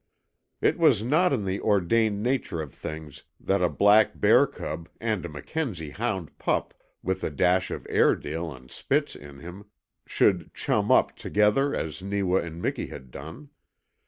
It was not in the ordained nature of things that a black bear cub and a Mackenzie hound pup with a dash of Airedale and Spitz in him should "chum up" together as Neewa and Miki had done.